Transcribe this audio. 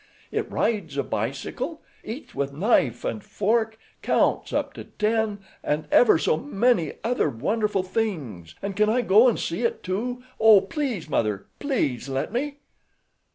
It rides a bicycle, eats with knife and fork, counts up to ten, and ever so many other wonderful things, and can I go and see it too? Oh, please, Mother—please let me."